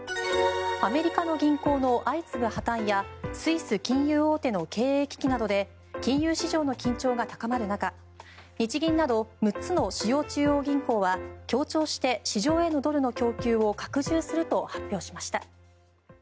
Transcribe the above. アメリカの銀行の相次ぐ破たんやスイス金融大手の経営危機などで金融市場の緊張が高まる中日銀など６つの主要中央銀行は協調して市場へのドルの供給を拡充すると発表しました。